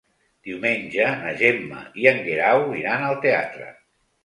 Diumenge na Gemma i en Guerau iran al teatre.